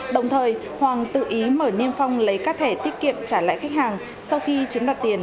đồng thời hoàng tự ý mở niêm phong lấy các thẻ tiết kiệm trả lại khách hàng sau khi chiếm đoạt tiền